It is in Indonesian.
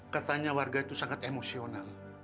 katanya warga itu sangat emosional